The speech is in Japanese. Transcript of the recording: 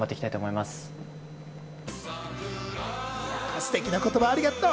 ステキな言葉ありがとう！